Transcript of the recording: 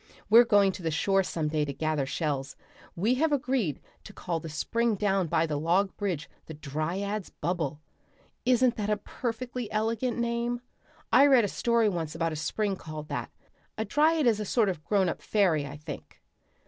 We're going to the shore some day to gather shells. We have agreed to call the spring down by the log bridge the Dryad's Bubble. Isn't that a perfectly elegant name? I read a story once about a spring called that. A dryad is sort of a grown up fairy, I think."